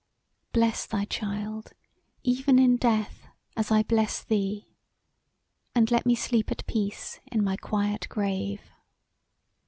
Bless thy child even even in death, as I bless thee; and let me sleep at peace in my quiet grave."